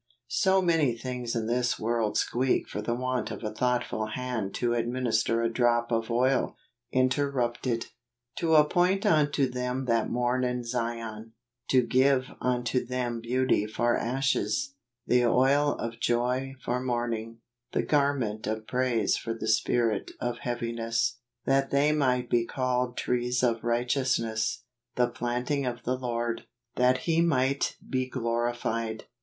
So many things in this world squeak for the want of a thoughtful hand to ad¬ minister a drop of oil. Interrupted. " To appoint unto them that mourn in Zion , to give unto them beauty jor ashes, the oil of joy for mourning , the garment of praise for the spirit of heaviness; that they might be called trees of right¬ eousness, the planting of the Lord, that he might be glorified